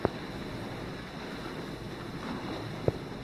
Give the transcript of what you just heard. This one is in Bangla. তুমি এসব করে কুলোতে পারবে না।